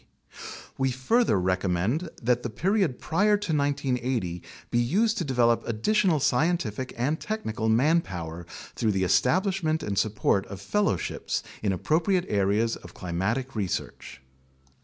We further recommend that the period prior to 1980 be used to develop additional scientific and technical manpower through the establishment and support of fellowships in appropriate areas of climatic research.